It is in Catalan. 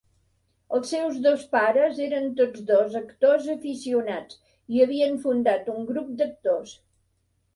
Els seus dos pares eren tots dos actors aficionats i havien fundat un grup d'actors.